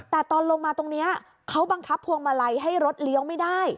แต่ตอนลงมาตรงนี้เขาบังคับพวงมาลัยให้รถเลี้ยวไม่ได้